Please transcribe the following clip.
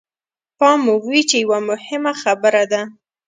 پام مو وي چې يوه مهمه خبره ده.